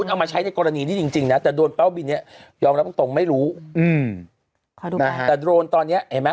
แต่โดรนตอนนี้เห็นไหม